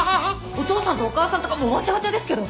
お父さんとお母さんとかもうわちゃわちゃですけど。